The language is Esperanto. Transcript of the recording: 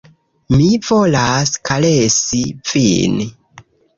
Mi volas karesi vin